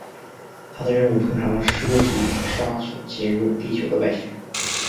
他的任务通常涉及杀死侵入地球的外星人。